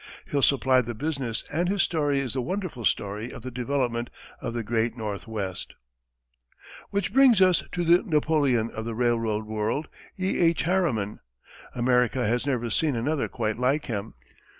Hill supplied the business and his story is the wonderful story of the development of the Great Northwest. Which brings us to the Napoleon of the railroad world, E. H. Harriman. America has never seen another quite like him.